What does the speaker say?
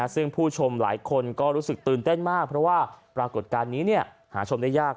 ซึ่งผู้ชมหลายคนก็รู้สึกตื่นเต้นมากเพราะว่าปรากฏการณ์นี้หาชมได้ยาก